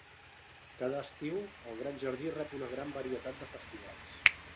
Cada estiu, el Gran Jardí rep una gran varietat de festivals.